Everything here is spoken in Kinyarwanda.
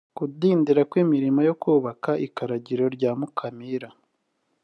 Kudindira kw’imirimo yo kubaka ikaragiro rya Mukamira